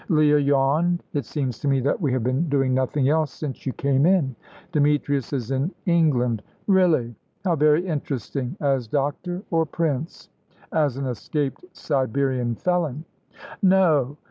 Leah yawned. "It seems to me that we have been doing nothing else since you came in." "Demetrius is in England." "Really! How very interesting! As doctor or Prince?" "As an escaped Siberian felon." "No!"